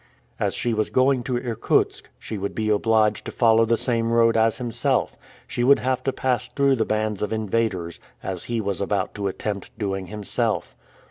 As she was going to Irkutsk, she would be obliged to follow the same road as himself, she would have to pass through the bands of invaders, as he was about to attempt doing himself.